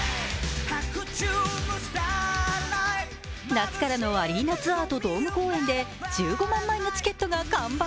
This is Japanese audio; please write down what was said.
夏からのアリーナツアーとドーム公演で１５万枚のチケットが完売。